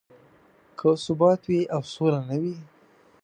که ثبات وي او سوله نه وي.